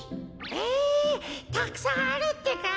えたくさんあるってか。